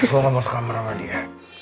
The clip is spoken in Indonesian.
gue gak mau suka merawat dia